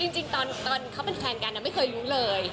จริงตอนเขาเป็นแฟนกันไม่เคยรู้เลย